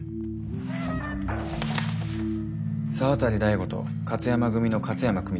沢渡大吾と勝山組の勝山組長です。